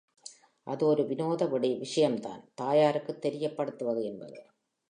அது ஒரு விநோத விஷயம்தான் — தாயாருக்கு தெரியப்படுத்துவது என்பது.